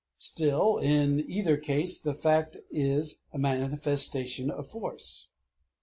Still in either case the fact is a manifestation of force.